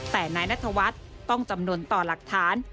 แต่นายนัทวัฒน์ต้องจำนวนต่อหลักฐาน